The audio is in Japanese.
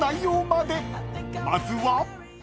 ［まずは］